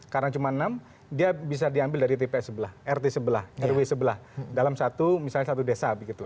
karena cuma enam dia bisa diambil dari tps sebelah rt sebelah rw sebelah dalam satu desa